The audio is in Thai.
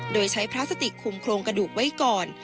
โดยใช้พลาสติกคุมโครงกระดูกไว้ก่อน